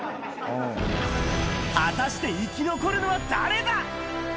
果たして、生き残るのは誰だ？